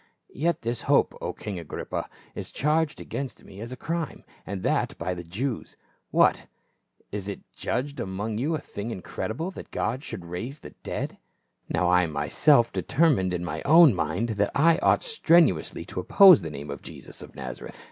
Yet this hope, O king Agrippa, is charged against me as a crime, and that by the Jews. What ! is it judged among you a thing incredible that God should raise the dead ?" Now I myself determined in my own mind that I ought strenuously to oppose the name of Jesus of Nazareth.